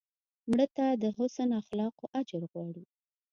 مړه ته د حسن اخلاقو اجر غواړو